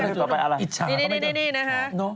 อันต่อไปอะไรอิชานี่นะฮะ